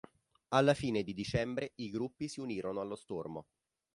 Alla fine di dicembre i Gruppi si unirono allo stormo.